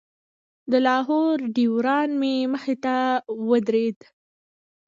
د لاهور ډریوران مې مخې ته ودرېدل.